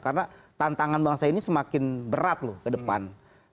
karena tantangan bangsa ini semakin berat loh ke depan